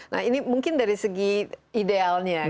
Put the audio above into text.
nah ini mungkin dari segi idealnya